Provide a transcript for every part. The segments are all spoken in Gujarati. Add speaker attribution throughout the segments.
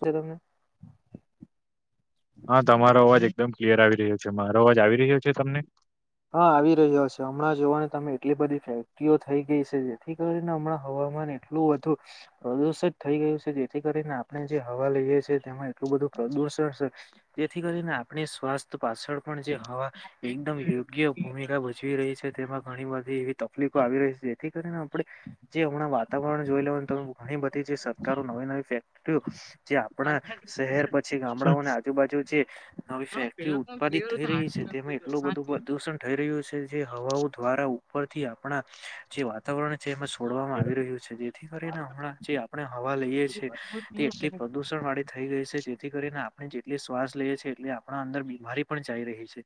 Speaker 1: કે તમને
Speaker 2: હા તમારો અવાજ એકદમ ક્લિયર આવી રહ્યો છે મારો અવાજ આવી રહ્યો છે તમને
Speaker 1: હા આવી રહ્યો છે, હમણાં જોવાની તમે એટલી બધી ફેક્ટરીઓ થઈ ગઈ છે, જેથી કરીને હમણાં હવામાન [unintelligible] [unintelligible] પ્રદુષિત થઈ ગયું છે. જેથી કરીને આપણે જે હવા લઈએ છીએ તેમાં એટલું બધું પ્રદુષણ છે. તેથી કરીને આપણી સ્વાસ્થ પાછળ પણ જે હવા એકદમ યોગ્ય ભૂમિકા ભજવી રહી છે તેમાં ઘણી વાર બધી એવી તકલીફો આવી રહી છે જેથી કરીને આપણે જે હમણાં વાતાવરણ જોઈ લેવા તમ ઘણી બધી જે સરકારો નવી નવી ફેક્ટરીઓ જે આપણા શહેર પછી ગામડાઓની આજુબાજુ જે નવી ફેક્ટરી ઉત્પાદિત થઈ રહી છે તેમાં એટલું બધું બધ પ્રદૂષથઈ રહ્યું છે જે હવાઓ દ્વારા ઉપરથી આપણા જે વાત વાતાવરણ છે એમાં છોડવામાં આવી રહ્યું છે જેથી કરીને હમણાં જે આપણે હવા લઈએ છે એ તે એટલી પ્રદુષણ દુષણ વાળી થઈ ગઈ છે જેથી કરીને આપણે જેટલી શ્વાસ લઈએ છીએ એટલે આપણા અંદર બીમારી પણ જઈ રહી છે.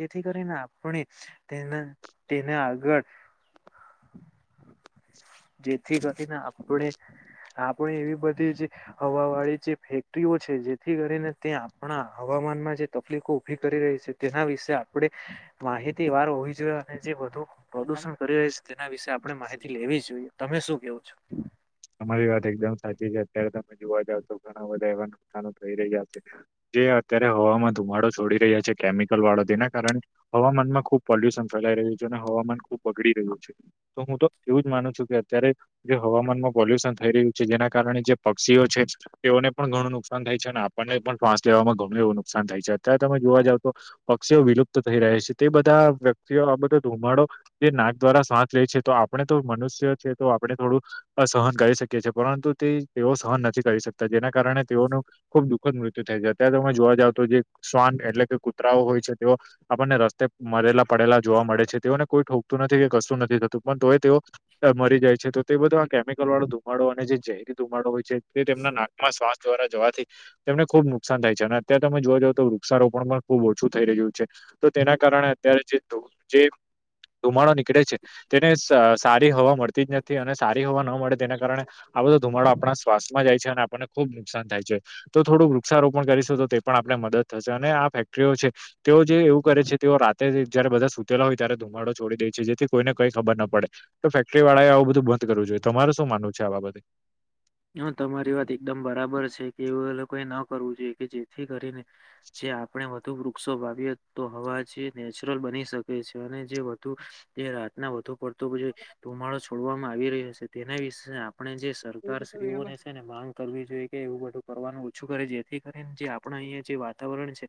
Speaker 1: જેથી કરીને આપણે તેના આગળ જેથી કરીને આપણે આપણે એવી બધી જે હવા વાળી જે ફેક્ટરીઓ છે જેથી કરીને તે આપણા હવામાનમાં જે તકલીફો ઉભી કરી રહી છે. તેના વિશે આપડે માહિતી વાર હોવી જોઈએ અને જે વધુ પ્રદુષણ કરી રહ્યા છે તેના વિશેે આપણે માહિતી લેવી જ જોઈએ. તમે શું કેવ છો
Speaker 2: તમારી વાત એકદમ સાચી છે અત્યારે તમે જોવા જાવ તો ઘણા બધા એવા નુકસાનો થઈ રહ્યા છે. જે અત્યારે હવામાં ધુમાડો છોડી રહ્યા છે કેમિકલ વાળો તેના કારણે હવામાનમાં ખુબ પોલ્યુશન ફેલાઈ રહ્યું છે અને હવામાન ખુબ બગડી રહ્યું છે. તો હું તો એવું જ માનું છું કે અત્યારે જે હવામાનમાં પોલ્યુશન થઈ રહ્યું છે જેના કારણે જે પક્ષીઓ છે તેઓને પણ ઘણું નુકસાન થાય છે અને આપણને પણ શ્વાસ લેવામાં ઘણું એવું નુકસાન થાય છે અત્યારે તમે જોવા જાવ તો પક્ષીઓ વિલુપ્ત થઈ રહે છે તે બધા વ્યક્તિઓ આ બધો ધુમાડો જે નાક દ્વારા શ્વાસ લે છે તો આપણે તો મનુષ્ય છે તો આપણે થોડું સહન કરી શકીએ છીએ પરંતુ તે તેઓ સહન નથી કરી શકતા જેના કારણે તેઓનું ખુબ દુઃખદ મૃત્યુ થાય છે અત્યારે તમે જોવા જાવ તો જે શ્વાન એટલે કે કૂતરાઓ હોય છે તેઓ આપણને રસ્તે મરેલા પડેલા જોવા મળે છે તેઓને કોઈ ઠોકતું નથી કે કશું નથી થતું પણ તો એ તેઓ મરી જાય છે તો તે એ બધા કેમિકલ વાળો ધુમાડો અને જે ઝેરી ધુમાડો હોય છે તે તેમના નાકમાં શ્વાસ દ્વારા જવાથી તેમને ખુબ નુકસાન થાય છે અને અત્યારે તમે જોવા જાવ તો વૃક્ષારોપણ પણ ખુબ ઓછું થઈ રહ્યું છે. તો તેના કારણે અત્યારે જે જે ધુમાડો નીકળે છે, તેને સારી હવા મળતી નથી અને સાર જોવા ન મળે તેના કારણે આ બધો ધુમાડો આપણા શ્વાસમાં જાય છે અને આપણને ખુબ નુકસાન થાય છે. તો થોડું વૃક્ષારોપણ કરીશું તો તે પણ આપણે મદદ થશે અને આ ફેક્ટરીઓ છે. તેઓ જે એવું કરે છે તેઓ રાતે જયારે બધા સુતેલા હોય ત્યારે ધુમાડો છોડી દે છે જેથી કોઈને કંઈ ખબર ના પડે, તો ફેક્ટરી વાળાએ આવુ બધું બંધ કરવું જોઈએ તમારું શું માનવું છે આ બાબતે,
Speaker 1: હા, તમારી વાત એકદમ બરાબર છે કે એવું એ લોકોએ ન કરવું જોઈએ કે જેથી કરીને, જે આપણે, તો વૃક્ષો વાવીએ તો હવા જે નેચરલ બની શકે છે. અને જે વધુ, તે રાતના વધુ પડતું ધુમાડો છોડવામાં આવી રહ્યો છે તેના વિશે આપણે જે, સ્ત્રિ ઓને છે ને માંગ કરવી જોઈએ કે એવું બધું કરવાનું ઓછું કરે જેથી કરીને જે આપણે અહીંયા જે વાત, વાતાવરણ છે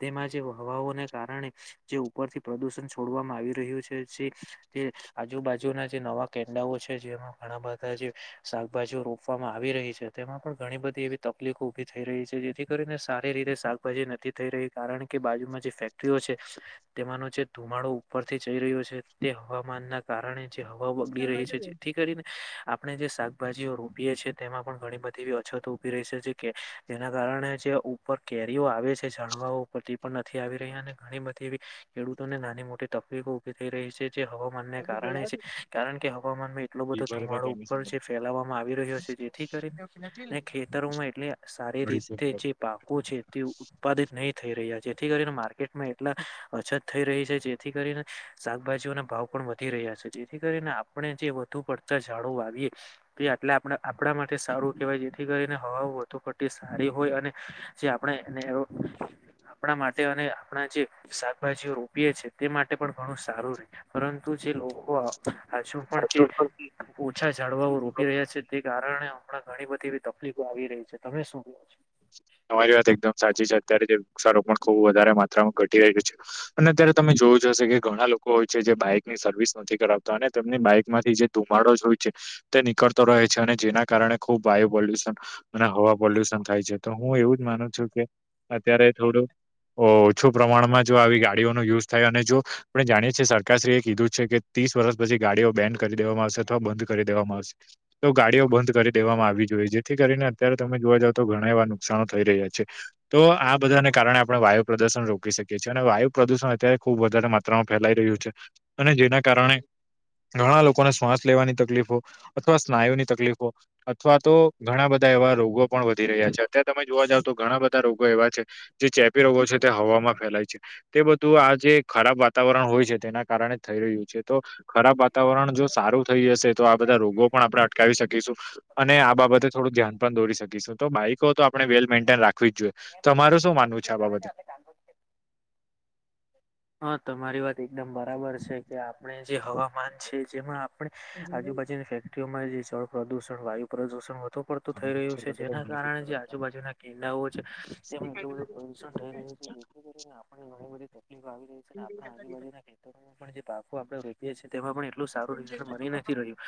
Speaker 1: તેમાં જે હવાઓને કારણે, જે ઉપરથી પ્રદુષણ છોડવામાં આવી રહ્યું છે જે તે આજુબાજુના જે નવા, કેન્ડાઓ છે જેમાં ઘણા બધા જે, શાકભાજી ઓ રોપવામાં આવી રહી છે તેમાં પણ ઘણી બધી એવી તકલીફો ઊભી થઈ રહી છે જેથી કરીને સારી રીતે શાક, ભાજી નથી થઈ રહી કારણ કે બાજુમાં જે ફેક્ટરીઓ છે, તેમાંનો જે ધુમાડો ઉપરથી જઈ રહ્યો છે તે હવામાન ના, કારણે જે હવા બગડી રહી છે જેથી કરીને આપણે જે શાકભાજી, શાભાજીઓ રોપીએ છીએ તેમાં પણ ઘણી બધી એવી અછતો ઊભી રહી છે જે કે જેના કારણે જે, ઉપર કેરીઓ આવે છે ઝાડવા ઓ, તી પણ નથી આવી રહ્યા અને ઘણી બધી એવી ખેડૂતોને નાની મોટી તકલીફો ઉભી થઈ રહી છે, જે હવામાનના કારણે છે કારણકે હવામાનમાં એટલો બધો ધુમાડો જે, ફેલાવામાં આવી રહ્યો છે જેથી કરીને, અને ખેતરોમાં એટલે સારી રીતે જે પાકો છે તે, ઉપ્પાદિત નહી થઈ રહ્યા જેથી કરીને માર્કેટમાં એટલા અછત થઈ રહી છે જેથી કરીને, શાકભાજીઓના ભાવ પણ વધી રહ્યા છે જેથી કરીને આપણે જે વધુ પડતા ઝાડ વાવીએ, કે એટલે આપ આપણા માટે સારું કેહેવાય જેથી કરીને હવા વધુ પડતી સારી હોય અને, જે આપણે એને એવો આપણા માટે અને આપણા જે શાકભાજીઓ રોપીએ છે તે માટે પણ ઘણું સારું રે, પરંતુ જે લોકો, હજુ પણ જે ઓછા ઝાડવા ઓ રોપી રહ્યાછે તે કારણે હમણાં ઘણી બધી, તકલીફો આવી રહી છે તમે શું કો છો,
Speaker 2: તમારી વાત એકદમ સાચી છે અત્યારે જે વૃક્ષારોપણ પણ ખુબ વધારે માત્રામાં ઘટી રહ્યું છે, અને અત્યારે તમે જોયુજ હશે કે ઘણા લોકો હોય છે જે બાઈકની સર્વિસ નથી કરાવતા અને તેમની બાઈક માંથી જે, ધુમાડો જ હોય છે, તે નીકળતો રહે છે અને જેના કારણે ખુબ વાયુ પોલ્યુશન અને હવા પોલ્યુશન થાય છે, તો હું એવુંજ માનું છું કે અત્યારે થોડુંક, ઓછું પ્રમાણમાં જો આવી ગાડીઓનો યુઝ થાય અને જો આપણે જાણીએ છીએ સરકારશ્રી એ કીધું છે કે, ત્રીસ વર્ષ પછી ગાડીઓ બેન્ડ કરી દેવામાં આવશે અથવા બંધ કરી દેવામાં આવશે, તો ગાડીઓ બંધ કરી દેવામાં આવી જોઈએ જેથી કરીને અત્યારે તમે જોવા જાવ તો ઘણા એવા નુકસાાનો થઈ રહ્યા છે. તો આ બધાને કારણે આપણે વાયુ પ્રદૂષણ રોકી શકીએ છીએ અને વાયુ પ્રદુષણ અત્યારે ખુબ વધારે માત [unintelligible] ફેલાઈ રહ્યું છે અને જેના કારણે ઘણા લોકોને શ્વાસ લેવાની તકલીફો અથવા સ્નાયુની તકલીફો અથવા તો ઘણા બધા એવા રોગો પણ વધી રહ્યા છે. અત્યારે તમે જોવા જાવ તો ઘણા બધા રોગો એવા છે જે ચેપી રોગો છે તે હવામાં ફેલાય છે. તે બધું આ જે ખરાબ વાતાવરણ હોય છે તેના કારણે થઈ રહ્યું છે તો ખરાબ વાતાવરણ જો સારું થઈ જશે તો આ બધા રોગો પણ આપણે અટકાવી શકીશું અને આ બાબતે થોડું ધ્યાન પણ દોરી શકીશું તો બાઈકો તો આપણે વેલ મેન્ટેન રાખવી જ જોઈએ તો તમારું શું માનવું આ બાબતે
Speaker 1: હા તમારી વાત એકદમ બરાબર છે કે આપણે જે હવામાન છે જેમાં પણ આજુબાજુની ફેક્ટરીઓમાં જે જળ પ્રદુષણ વાયુ પ્રદુષણ પતો પડતું થઈ રહ્યું છે જેના કારણે જે આજુબાજુના કીડાઓ છે એમાં એટલું બધું પ્રદુષણ થઈ રહ્યું કરી આપણી ઘણી બધી તે તકલીફ આવી રહી છે અને આપણા આજુબાજુના ખેતરોમાં પણ જે પાકો આપણે રોપએ છીએ તેમાં પણ એ એટલું સારું રિઝલ્ટ મળી નથી રહ્યું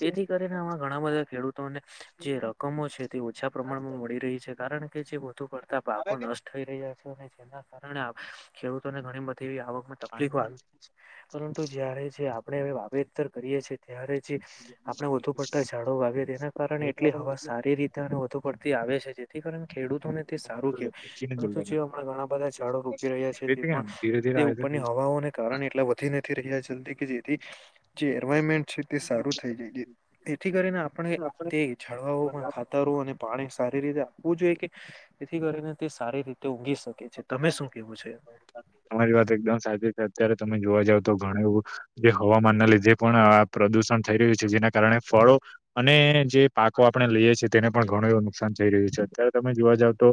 Speaker 1: તેથી કરીને અમે ઘણા બધા ખેડૂતોને જે રકમો છે તે ઓછા પ્રમાણમાં મળી રહી છે કારણ કે જે વધુ પડતા પાકો ન થઈ રહ્યા છે અને જેના કારણે ખેડૂતોને ઘણી બધી એવી આવકમાં તકલીફો. પરંતુ જયારે જે આપણે અ વાવેતર કરીએ છે. ત્યારે જે આપણે વધુ પડતા ઝાડો વાવીએ તેના કારણે એટલી હવા સારી રીતે અને વધુ પડતી આવે છે. [unintelligible] ખેડૂતોને તે સારું [inaudible] પરંતુ જે હમણાં ઘણા બધા ઝાડો રોપી રહ્યાં છે તે તે
Speaker 2: એટલે કેમ
Speaker 1: પણ
Speaker 2: ધીરે ધીરે
Speaker 1: તે
Speaker 2: આયોજન
Speaker 1: ઉપરની
Speaker 2: થઈ જશે.
Speaker 1: હવા પવનો ના કારણેથી એટલા વધી નથી રહયા જલદી કે જેથી જે ઇન્વીરોમેન્ટ છે તે સારું થઈ જાય છે, તેથી કરીને આપણે તે ઝાડવાઓમાં ખા તારું અને સારી રીતે આપવું જોઈએ કે જેથી કરીને તે સારી રીતે ઊગી શકે. ઓકે છે, તમે શું કેવું છે?
Speaker 2: તમારી વાત એકદમ સાચી છે અત્યારે તમે જોવા જાવ તો ઘણું એવું જે હવામાનના લીધે પણ આ પ્રદુષણ થઈ રહ્યું છે જેના કારણે ફળો અને જે પાકો આપણે લઈએ છીએ તેને પણ ઘણું એવું નુકસાન થઈ રહ્યું છે અત્યારે તમે જોવા જાવ તો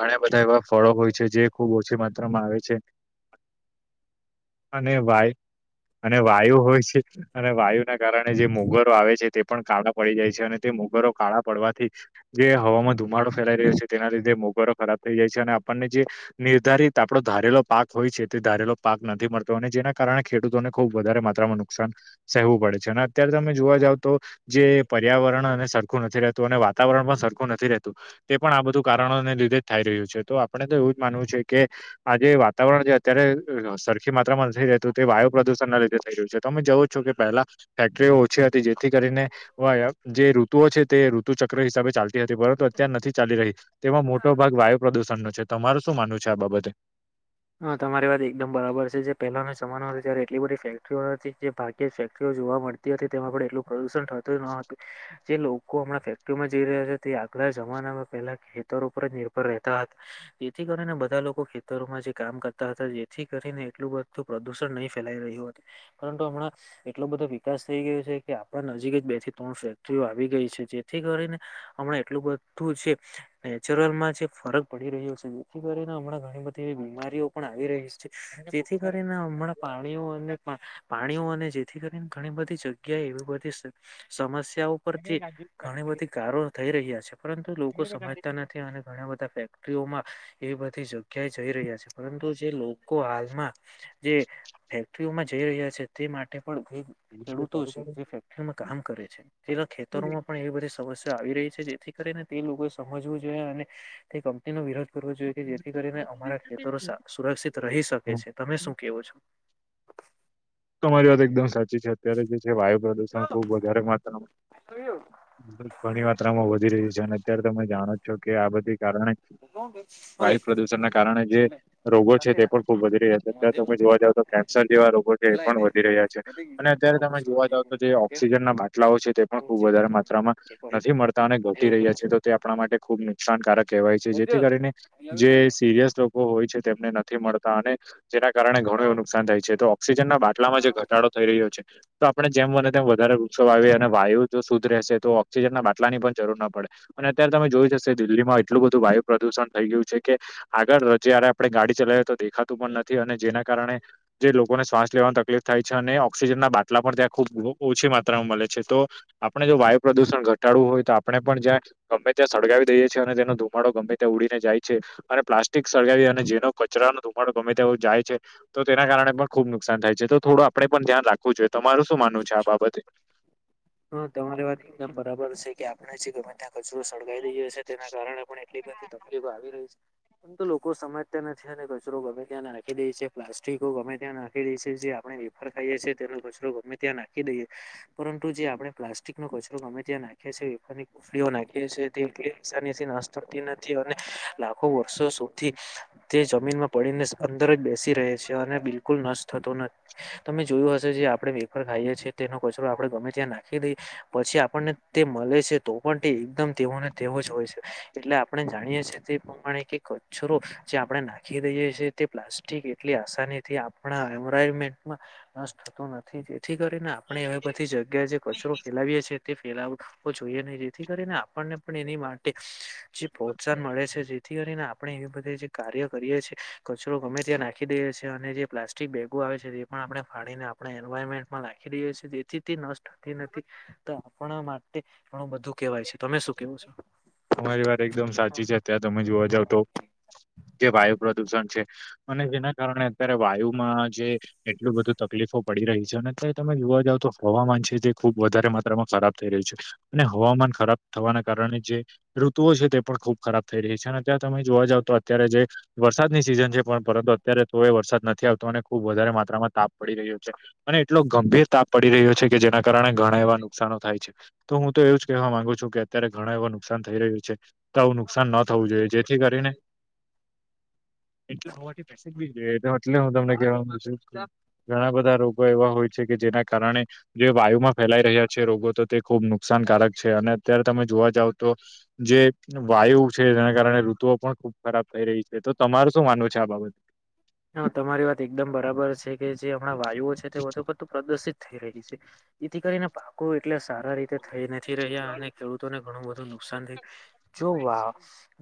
Speaker 2: ઘણા બધા એવા ફળો હોય છે જે ખુબ ઓછી માત્રામાં આવે છે. અને વાય અને વાયુ હોય છે. અને વાયુના કારણે જે મોગરો આવે છે તે પણ કાળા પડી જાય છે અને તે મોગરો કાળા પડવાથી જે હવામાં ધુમાડો ફેલાઈ રહ્યો છે તેના લીધે મોગરો ખરાબ થઈ જાય છે અને આપણને જે નિર્ધારિત આપણો ધારેલો પાક હોય છે તે ધારેલો પાક નથી મળતો અને જેના કારણે ખેડૂતોને ખુબ વધારે માત્રામાં નુકસાન સહેવું પડે છે અને અત્યારે તમે જોવા જાવ તો જે પર્યાવરણ અને સરખું નથી રહેતું અને વાતાવરણ પણ સરખું નથી રહેતું. તે પણ આ બધું કારણોને લીધે જ થાઈ રહ્યું છે તો આપણે તો એવું જ માનવું છે કે આજે વાતાવરણ જે અત્યારે સરખી માત્રામાં થઈ રહે હતું તે વાયુ પ્રદુષણ ના લીધે થઈ રહ્યું છે તો તમે જવું. જો કે પહેલા ફેક્ટરીઓ ઓછી હતી જેથી કરીને [inaudible] જે ઋતુઓ તે ઋતુ ચક્ર હિસાબે ચાલતી હતી પરંતુ અત્યાર નથી ચાલી રહી તેમાં મોટો ભાગ વાયુ પ્રદુષણ નો છે તમારું શું માનવું છે આ બાબતે?
Speaker 1: હા તમારી વાત એકદમ બરાબર છે જે પહેલાનો જમાનો હતો ત્યારે એટલી બધી ફેક્ટરીઓ હતી જે ભાગ્ય ફેક્ટરીઓ જોવા મળતી. હતી તેમાં પણ પ્રદુષણ ન હતું જે લોકો લોકો હમણાં ફેક્ટરીઓમાં જઈ રહ્યા છે તે આગળ જમાનામાં પેલા ખેતર ઉપર જ નિર્ભર રહેતા જેથી કરીને બધા લોકો ખેતરોમાં જે કામ કરતા હતા જેથી કરીને એટલું બધું પ્રદુષણ નહીં ફેલાઈ રહ્યું હતું પરંતુ હમણાં. એટલો બધો વિકાસ થઈ ગયો છે કે આપણા નજીક જ બે થી ત્રણ ફેક્ટરીઓ આવી ગઈ છે જે થી કરીને હમણાં એટલું બધું છે. નેચરલ માં જે ફરક પડી રહ્યો છે જેથી કરીને હમણાં ઘણી બધી એ બીમારી. ઓ પણ આવી રહી છે જેથી કરીને હમણાં પાણીઓ અને પાણીઓ અને જેથી ઘણી બધી જગ્યા એવી બધી સમસ્યાઓ પરથી ઘણી બધી કારો થઈ રહ્યા છે પરંતુ લોકો સમજતા નથી અને ઘણા બધા [unintelligible] એ બધી જગ્યાએ જઈ રહ્યા છે પરંતુ જે લોકો હાલમાં જે ફેક્ટરીઓમાં જઈ રહ્યા છે તે માટે પણ ખેડૂતો છે જે ફેક્ટરીમાં કામ કરે છે તેના ખેતરોમાં પણ એવી બધી સમસ્યા આવી રહી છે જેથી કરીને તે લોકોએ સમજવું જોઈએ અને તે કંપનીનો વિરોધ. કરવું જોઈએ કે જેથી કરીને અમારા ખેતરો સુરક્ષિત રહી શકે
Speaker 2: હમ.
Speaker 1: છે તમે શું કેવો છો
Speaker 2: તમારી વાત એકદમ સાચી છે અત્યારે જે છે વાયુ પ્રદુષણ ખુબ વધારે માત્રામાં. ઘણી માત્રા માં વધી રહી છે અને અત્યારે તમે જાણો છો કે આ બધી કારણે
Speaker 1: [unintelligible]
Speaker 2: વાયુ પ્રદુષણના કારણે જે રોગો છે તે પણ ખુબ વધી રહ્યા છે અત્યારે તમે જોવા જાવ તો કેન્સર જેવા રોગો તે પણ વધી રહ્યા છે અને અત્યારે તમે જોવા જાવ તો જે ઓક્સિજનના બાટલાઓ છે તે પણ ખુબ વધારે માત્રામાં નથી મળતા અને ઘટી રહ્યા છે. તો તે આપણા માટે ખુબ નુકસાનકારક કહેવાય છે જેથી કરીને જે સિરિયસ લોક લોકો હોય છે તેમને નથી મળતા અને તેના કારણે ઘણું એવું નુકસાન થાય છે તો ઓક્સિજનના બાટલામાં જે ઘટાડો થઈ રહ્યો છે. તો આપણે જેમ તેમ વધારે વૃક્ષો વાવીએ અને વાયુ જો શુદ્ધ રહેશે તો ઓક્સિજન ના બાટલા ની પણ જરૂર ન પડે. અને અત્યારે તમે જોયું જ હશે દિલ્હીમાં એટલું બધું વાયુ પ્રદુષણ થઈ ગયું છે કે આગળ જ્યારે આપણે ગાડી ચલાવી તો દેખાતું નથી અને જેના કારણે જે લોક લોકોને શ્વાસ લેવાની તકલીફ થાય છે અને ઓક્સિજનના બાટલા પણ ત્યાં ખૂબ ઓછી માત્રામાં મળે છે તો આપણે જો પ્રદુષણ ઘટાડવું હોય આપણે પણ જ્યાં ગમે ત્યાં સળગાવી દઈએ છીએ અને તેનો ધુમાડો ગમે ત્યાં ઉડીને જાય છે. અને પ્લાસ્ટિક સળગાવી અને જેનો કચરાનો ધુમાડો ગમે તેવો જાય છે તો તેના કારણે પણ ખુબ નુકસાન થાય છે તો થોડું આપણે પણ ધ્યાન રાખવું જોઈએ તમારે શું માનવું છે આ બાબતે
Speaker 1: હા તમારી વાત એકદમ બરાબર છે કે આપણે છે ગમે ત્યાં કચરો સળગાઈ દઈયો છે તેના કારણે પણ એટલી બધી તકલીફ આવી રહી છે. તો લોકો સમજતા નથી અને કચરો ગમે ત્યાં નાખી દે છે પ્લાસ્ટિકો ગમે ત્યાં નાખી દે છે જે આપણે સળગાઈએ છીએ તેનો કચરો ગમે ત્યાં નાખી દઈએ પર જે આપણે પ્લાસ્ટિક નો કચરો ગમે ત્યાં નાખ્યા છે નાખીએ છી [unintelligible] નાશ થતી નથી અને લાખો વર્ષો સુધી તે જમીનમાં પડીને અંદર જ બેસી રહે છે અને બિલકુલ નષ્ટ થતો નથી તમે જોયું હશે જે આપણે [unintelligible] ખાઈએ છીએ તેનો કચરો આપણે ગમે ત્યાં નાખી દઈ પછી આપણને તે મળે છે તો પણ તે એકદમ તેવોને તેવો જ હોય છે. એટલે આપણે જાણીએ છીએ તે પ્રમાણે કે કચરો જે આપણે નાખી દઈએ છે. તે પ્લાસ્ટિક એટલી આસાનીથી આપણા એન્વાયરમેન્ટમાં નાશ થતો નથી જેથી કરીને આપણે એવે બધી જગ્યાએ જે કચરો ફેલાવીએ છીએ તે ફેલા જોઈએ નહી જેથી કરીને આપણને પણ એની માટે જે પ્રોત્સાહન મળે છે જે થી કરીને આપણે એ બધે જે કાર્ય કરીએ છીએ કચરો ગમે ત્યાં નાખી દઈએ છીએ અને જે પ્લાસ્ટિક બેગો આવે છે એ પણ આપણે ફાડીને આપણે એન્વાયરમેન્ટમાં નાખી દઈએ છીએ તેથી તે નષ્ટ થતી નથી તો આપણા માટે ઘણું બધું કેવાય છે તમે શું કેવો છો?
Speaker 2: તમારી વાત એકદમ સાચી છે અત્યારે તમે જોવા જાવ તો જે વાયુ પ્રદુષણ છે. અને જેના કારણે અત્યારે વાયુમાં જે એટલું બધું તકલીફો પડી રહી છે અને અત્યારે તમે જોવા જાવ તો હવામાન છે જે ખુબ વધારે માત્રામાં ખરાબ થઈ રહ્યું છે. અને હવામાન ખરાબ થવાના કારણે જે ઋતુઓ છે તે પણ ખૂબ ખરાબ થઈ રહી છે અને અત્યારે તમે જોવા જાવ તો અત્યારે જે વરસાદની સિઝન છે પણ પરંતુ અત્યારે તો એ વરસાદ નથી આવતો અને ખુબ વધારે માત્રામાં તાપ પડી રહ્યો છે. અને એટલો ગંભીર તાપ પડી રહ્યો છે કે જેના કારણે ઘણા એવા નુકસાનો થાય છે. તો હું તો એવું જ કહેવા માંગુ છું કે અત્યારે ઘણા એવા નુકસાન થઈ રહ્યું છે તો આવું નુકસાન ન થવું જોઈએ જે થી કરીને [unintelligible] [unintelligible] જોઈએ એટલે હું તમને [unintelligible] ઘણા બધા રોગો એવા હોય છે કે જેના કારણે જે વાયુમાં ફેલાઈ રહ્યા છે રોગો તો તે ખુબ નુકસાનકારક છે અને અત્યારે તમે જોવા જાવ તો જે વાયુ છે તેના કારણે ઋતુઓ પણ ખુબ ખરાબ થઈ રહી છે તો તમાર શું માનવું છે આ બાબતે
Speaker 1: હા તમારી વાત એકદમ બરાબર છે કે જે હમણાં વાયુઓ છે તે વધુ પડતું પ્રદુષિત થઈ રહી છે જેથી કરીને ભા કો એટલે સારા રીતે થઈ નથી રહ્યા અને ખેડૂતોને ઘણું બધું નુકસાન થઈ જો વા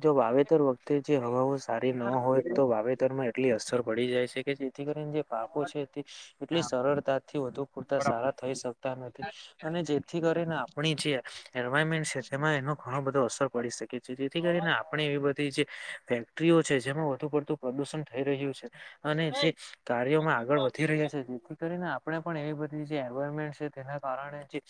Speaker 1: જો વાવેતર વખતે જે હવાઓ સારી ન હોય તો વાવેતરમાં કેટલી અસર પડી જાય છે કે જેથી કરીને જે પાકો છે તે એટલી સરળતાથી વધુ પૂરતા સારા થઈ શકતા નથી. અને જેથી કરીને આપણી જે એન્વાયરમેન્ટ છે તેમાં એનો ઘણો બધો અસર પડી શક કે જેથી કરીને આપણે એવી બધી જે ફેક્ટરીઓ છે જેમાં વધુ પડતું પ્રદુષણ થઈ રહ્યું છે. અને જે કાર્યોમાં આગળ વધી રહ્યા છે. કરીને આપણે પણ એવી બધી જે એન્વાયરમેન્ટ છે તેના કારણે જે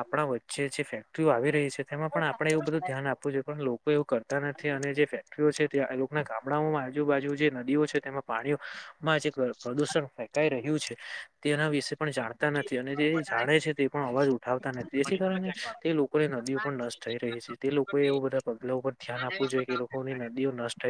Speaker 1: આપણા વચ્ચે જે ફેક ટરી આવી રહી છે તેમાં પણ આપણે એવું બધું ધ્યાન આપવું જોઈએ પણ લોકો એવું કરતા નથી અને જે ફેક્ટરીઓ છે ત્યાં લોકોના ગામડાઓમાં આજુબાજુ જે નદીઓ છે તેમાં પાણી ઓમાં જે પ્રદુષણ ફેંકાઈ રહ્યું છે તેના વી પણ જાણતા નથી અને તે જાણે છે તે પણ અવાજ ઉઠાવતા નથી જેથી કરીને તે લોકોની નદીઓ પણ ન થઈ રહી છે તે લોકોએ એવું બધા પગલા ઉપર ધ્યાન આપવું જોઈએ કે લોકોની નદીઓ નષ્ટ થઈ